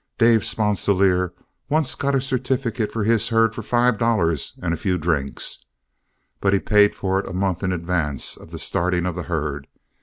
Dave Sponsilier once got a certificate for his herd for five dollars and a few drinks. But he paid for it a month in advance of the starting of the herd.